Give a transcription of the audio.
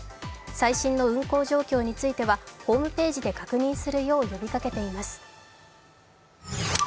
最新の運行状況についてはホームページで確認するよう呼びかけています。